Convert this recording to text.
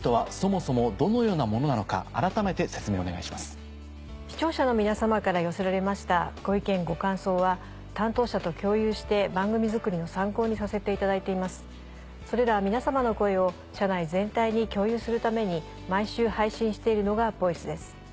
それら皆様の声を社内全体に共有するために毎週配信しているのが「ＶＯＩＣＥ」です。